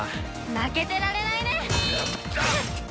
負けてられないね！